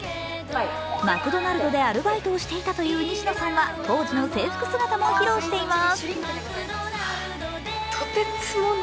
マクドナルドでアルバイトをしていたという西野さんは当時の制服姿も披露しています。